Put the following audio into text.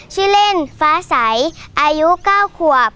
ชื่อเล่นฟ้าใสอายุ๙ขวบ